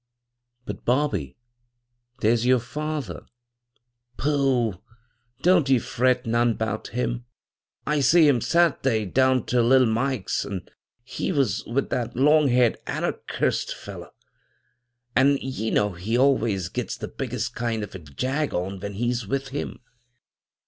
" But, Bobby, there's your father I "" Pooh 1 Don't ye fret none 'bout hioL I see him Saf day down ter Little Mike's, an' he was with that long haired anarchist feller, an' ye know he always gits the biggest kind of a jag on when he'a with him.